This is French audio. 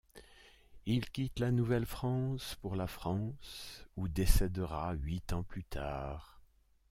Il quitte la Nouvelle-France pour la France où décédera huit ans plus tard.